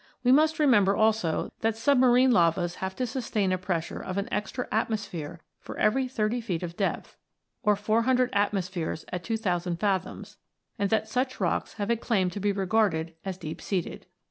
We must remember also that submarine lavas have to sustain a pressure of an extra atmosphere for every thirty feet of depth, or 400 atmospheres at 2000 fathoms, and that such rocks have a claim to be regarded as deep seated.